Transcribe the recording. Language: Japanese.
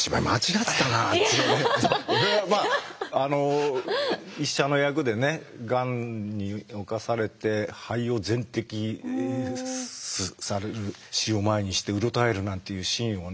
俺はまあ医者の役でねがんに侵されて肺を全摘出される死を前にしてうろたえるなんていうシーンをね